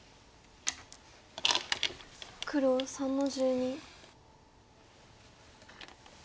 黒３の十二。